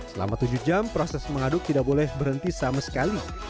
selama tujuh jam proses mengaduk tidak boleh berhenti sama sekali